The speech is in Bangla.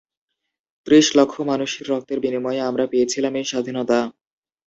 ত্রিশ লক্ষ মানুষের রক্তের বিনিময়ে আমরা পেয়েছিলাম এই স্বাধীনতা।